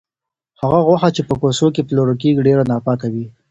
هغه غوښه چې په کوڅو کې پلورل کیږي، ډېره ناپاکه وي.